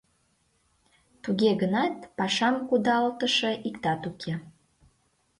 Туге гынат пашам кудалтыше иктат уке.